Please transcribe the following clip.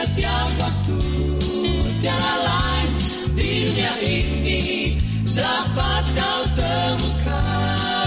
tiada lain di dunia ini dapat kau temukan